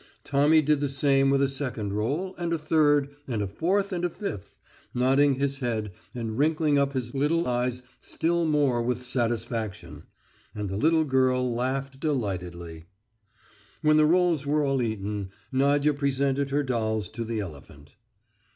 Tommy did the same with a second roll, and a third, and a fourth and a fifth, nodding his head and wrinkling up his little eyes still more with satisfaction. And the little girl laughed delightedly. When the rolls were all eaten, Nadya presented her dolls to the elephant.